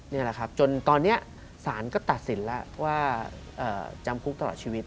นี่แหละครับจนตอนนี้สารก็ตัดสินแล้วว่าจำคุกตลอดชีวิต